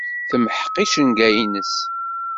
Temḥeq icenga-nnes.